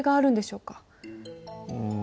うん。